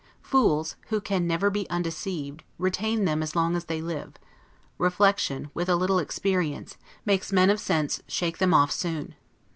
Fools, who can never be undeceived, retain them as long as they live: reflection, with a little experience, makes men of sense shake them off soon.